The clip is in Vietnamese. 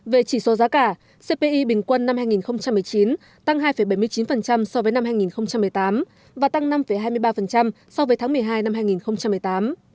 về chỉ số giá cả cpi bình quân năm hai nghìn một mươi chín tăng hai bảy mươi chín so với năm hai nghìn một mươi tám và tăng năm hai mươi ba so với tháng một mươi hai năm hai nghìn một mươi tám